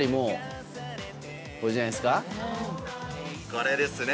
これですね。